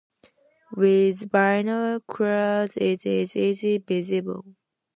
With binoculars it is easily visible.